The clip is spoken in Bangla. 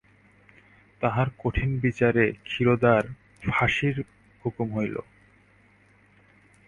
তাঁহার কঠিন বিচারে ক্ষীরোদার ফাঁসির হুকুম হইল।